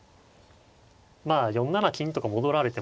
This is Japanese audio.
まあ４七金とか戻られても結構。